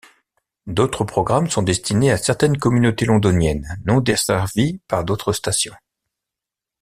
D'autres programmes sont destinés à certaines communautés londoniennes non desservies par d'autres stations.